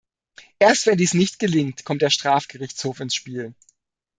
Erst wenn dies nicht gelingt, kommt der Strafgerichtshof ins Spiel.